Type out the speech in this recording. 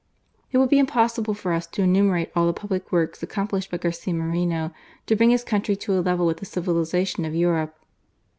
It would be impossible for us to enumerate all the public works accomplished by Garcia Moreno to bring his country to a level with the civilization of Europe.